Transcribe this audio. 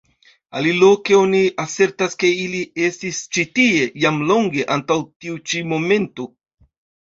Aliloke oni asertas, ke ili estis ĉi tie jam longe antaŭ tiu ĉi momento.